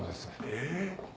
え？